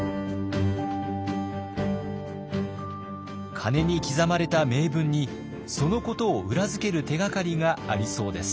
鐘に刻まれた銘文にそのことを裏付ける手がかりがありそうです。